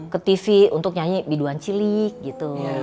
ke tv untuk nyanyi biduan cilik gitu